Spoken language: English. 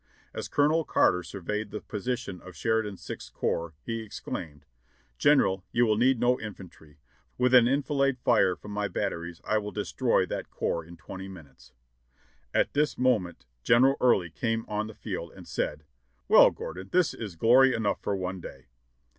As Colonel Carter surveyed the position of Sheridan's Sixth Corps he exclaimed : 'General, you will need no infantry ; with an enfilade fire from my batteries I will destroy that corps in twenty minutes. ''At this moment General Early came on the field and said : 'Well, Gordon! Well, Gordon, this is glory enough for one day.'